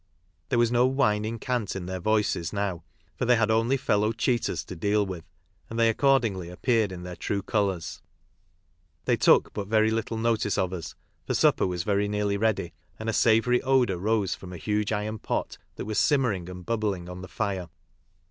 There was no whining cant in their voices now, for they had only fellow cheaters to deal with, and they accordingly appeared in their true colours.* They took but very little notice of us, for supper was nearly ready, and a savoury odour rose from a huge iron pot that was simmering and bubbling on the fire.